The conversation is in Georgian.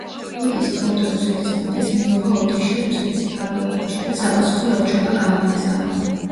იგი სთხოვდა რუსეთის მეფეს მიეღო ოდიში რუსეთის მფარველობაში და საპასუხო ელჩობა გამოეგზავნა.